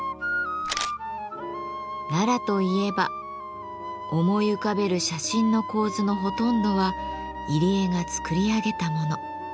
奈良といえば思い浮かべる写真の構図のほとんどは入江が作り上げたもの。